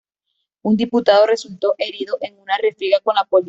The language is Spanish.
Un diputado resultó herido en una refriega con la policía.